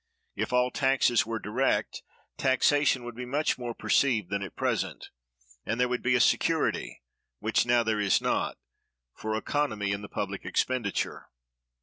If all taxes were direct, taxation would be much more perceived than at present, and there would be a security, which now there is not, for economy in the public expenditure.